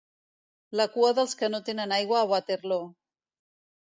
La cua dels que no tenen aigua a Waterloo.